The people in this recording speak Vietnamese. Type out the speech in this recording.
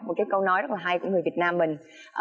một cái câu nói rất là hay của người việt nam mình